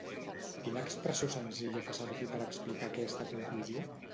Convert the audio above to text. Quina expressió senzilla fa servir per explicar aquesta conclusió?